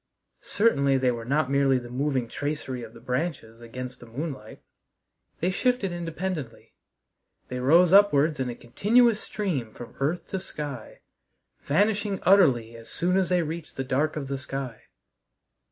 Certainly they were not merely the moving tracery of the branches against the moonlight. They shifted independently. They rose upwards in a continuous stream from earth to sky, vanishing utterly as soon as they reached the dark of the sky.